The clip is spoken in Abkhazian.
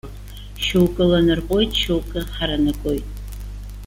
Шьоукы ланарҟәуеит, шьоукы ҳаранакуеит.